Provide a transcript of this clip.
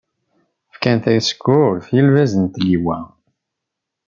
Fkan tasekkurt, i lbaz n tliwa.